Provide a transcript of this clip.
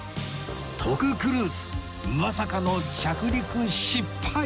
徳クルーズまさかの着陸失敗